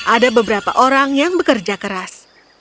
ada beberapa orang yang bekerja keras